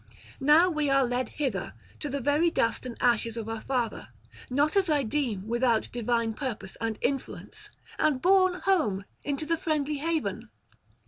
Now we are led hither, to the very dust and ashes of our father, not as I deem without [56 90]divine purpose and influence, and borne home into the friendly haven.